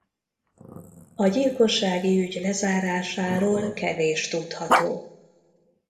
A gyilkossági ügy lezárásáról kevés tudható.